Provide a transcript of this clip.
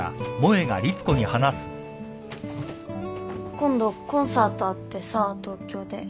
今度コンサートあってさ東京で。